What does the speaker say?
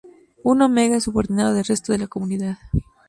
Un omega es subordinado del resto de la comunidad.